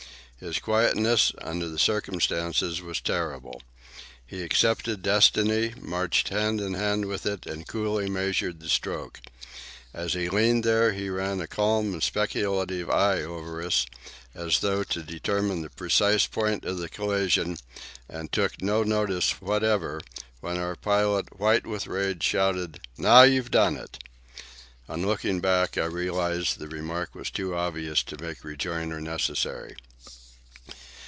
His quietness, under the circumstances, was terrible. He accepted Destiny, marched hand in hand with it, and coolly measured the stroke. As he leaned there, he ran a calm and speculative eye over us, as though to determine the precise point of the collision, and took no notice whatever when our pilot, white with rage, shouted, "Now you've done it!" On looking back, I realize that the remark was too obvious to make rejoinder necessary.